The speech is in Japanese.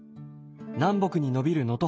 南北に延びる能登